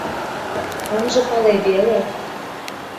Ынже пале веле.